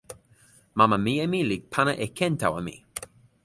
mama mije mi li pana e ken tawa mi.